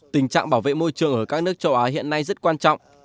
tình trạng bảo vệ môi trường ở các nước châu á hiện nay rất quan trọng